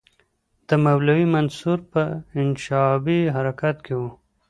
د مولوي منصور په انشعابي حرکت کې وو.